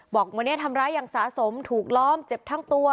บอกวันนี้ทำร้ายอย่างสะสมถูกล้อมเจ็บทั้งตัว